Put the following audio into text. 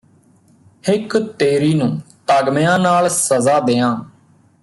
ਹਿੱਕ ਤੇਰੀ ਨੂੰ ਤਗਮਿਆਂ ਨਾਲ ਸਜ਼ਾ ਦਿਆਂ